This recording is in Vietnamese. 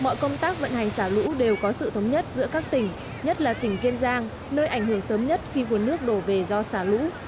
mọi công tác vận hành xả lũ đều có sự thống nhất giữa các tỉnh nhất là tỉnh kiên giang nơi ảnh hưởng sớm nhất khi nguồn nước đổ về do xả lũ